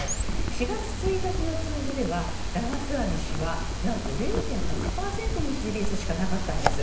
４月１日の数字ではラマスワミ氏は何と０．８％の支持率しかなかったんです。